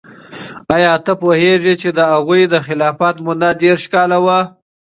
آیا ته پوهیږې چې د هغوی د خلافت موده دیرش کاله وه؟